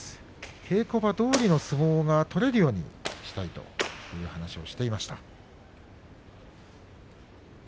稽古場どおりの相撲が取れるようにしたいと話をしていました。